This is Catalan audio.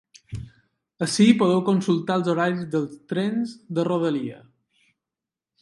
Ací podeu consultar els horaris dels trens de rodalia.